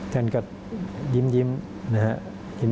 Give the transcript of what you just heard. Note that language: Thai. ท่านก็ยิ้มนะครับ